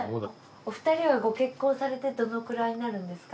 お二人はご結婚されてどのくらいになるんですか？